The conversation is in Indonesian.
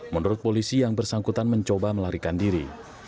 menurut polisi yang bersangkutan mencoba melarikan diri